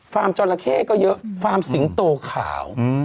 ฟาร์มจอลาเค่ก็เยอะฟาร์มสิงโตขาว